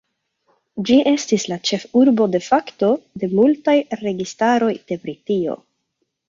Ĝi estis la ĉefurbo "de facto" de multaj registaroj de Britio.